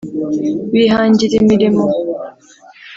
bihangira imirimo